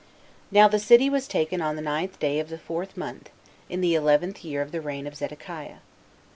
2. Now the city was taken on the ninth day of the fourth month, in the eleventh year of the reign of Zedekiah.